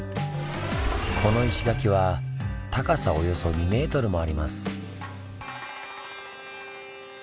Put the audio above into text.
この石垣は高さおよそ２ｍもあります。